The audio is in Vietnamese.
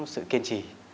sự kiên trì